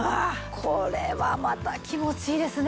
これはまた気持ちいいですね。